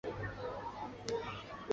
差异并没有大到你想像的那样